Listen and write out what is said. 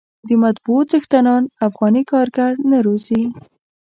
د مطبعو څښتنان افغاني کارګر نه روزي.